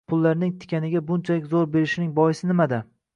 gullarning tikaniga bunchalik zo‘r berishining boisi nimada?